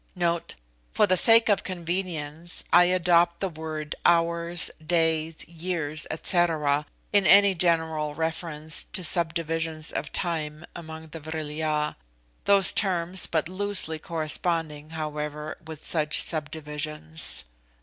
* For the sake of convenience, I adopt the word hours, days, years, &c., in any general reference to subdivisions of time among the Vril ya; those terms but loosely corresponding, however, with such subdivisions.